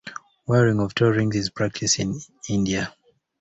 Wearing of toe rings is practiced in India.